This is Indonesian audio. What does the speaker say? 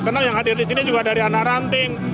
karena yang hadir di sini juga dari anak ranting